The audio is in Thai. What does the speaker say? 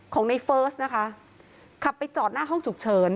ของในเฟิร์สนะคะขับไปจอดหน้าห้องฉุกเฉิน